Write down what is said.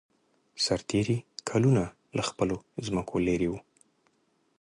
سرتېري کلونه له خپلو ځمکو لېرې وو.